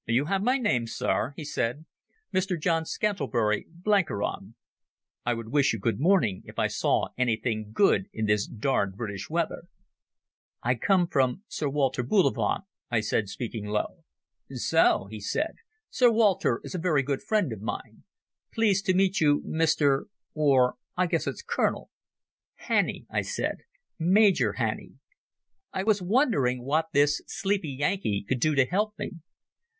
"You have my name, Sir," he said. "Mr John Scantlebury Blenkiron. I would wish you good morning if I saw anything good in this darned British weather." "I come from Sir Walter Bullivant," I said, speaking low. "So?" said he. "Sir Walter is a very good friend of mine. Pleased to meet you, Mr—or I guess it's Colonel—" "Hannay," I said; "Major Hannay." I was wondering what this sleepy Yankee could do to help me.